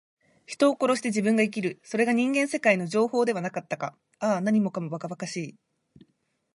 人を殺して自分が生きる。それが人間世界の定法ではなかったか。ああ、何もかも、ばかばかしい。